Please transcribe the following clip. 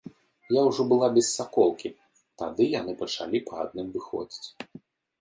Я ўжо была без саколкі, тады яны пачалі па адным выходзіць.